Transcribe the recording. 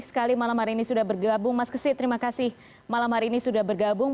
sekali malam hari ini sudah bergabung mas kesit terima kasih malam hari ini sudah bergabung